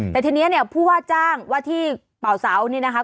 แต่ทีนี้เนี่ยผู้ว่าจ้างว่าที่เป่าเสานี่นะคะ